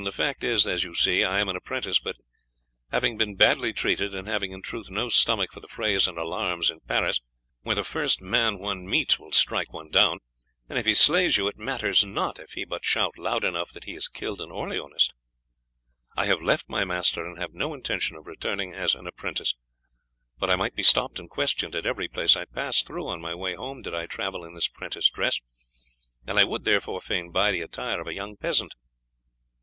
The fact is that, as you see, I am an apprentice; but having been badly treated, and having in truth no stomach for the frays and alarms in Paris (where the first man one meets will strike one down, and if he slays you it matters not if he but shout loud enough that he has killed an Orleanist), I have left my master, and have no intention of returning as an apprentice. But I might be stopped and questioned at every place I pass through on my way home did I travel in this 'prentice dress, and I would, therefore, fain buy the attire of a young peasant."